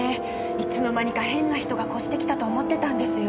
いつの間にか変な人が越してきたと思ってたんですよ。